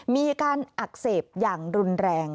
มีการอักเสบอย่างรุนแรง